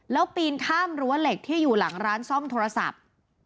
แล้วปีนข้ามรั้วเหล็กที่อยู่หลังร้านซ่อมโทรศัพท์